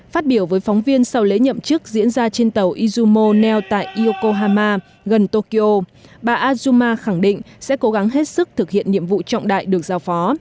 phát biểu với phóng viên sau lễ nhậm chức diễn ra trên tàu izumo neo tại iokohama gần tokyo bà azuma khẳng định sẽ cố gắng hết sức thực hiện nhiệm vụ trọng đại được giao phó